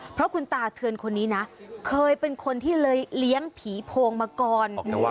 เพราะคุณตาเทือนคนนี้นะเคยเป็นคนที่เลยเลี้ยงผีโพงมาก่อน